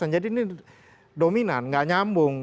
jadi ini dominan nggak nyambung